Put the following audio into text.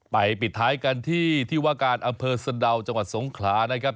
ปิดท้ายกันที่ที่ว่าการอำเภอสะดาวจังหวัดสงขลานะครับ